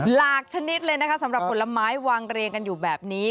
หกชนิดเลยนะคะสำหรับผลไม้วางเรียงกันอยู่แบบนี้